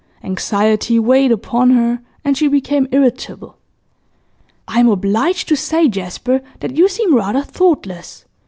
Anxiety weighed upon her, and she became irritable. 'I am obliged to say, Jasper, that you seem rather thoughtless.